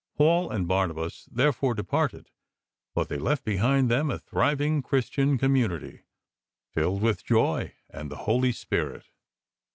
Paul and Barnabas therefore departed; but they left behind tlicm a thriving Christian community " filled with joy and the Holy Ghost."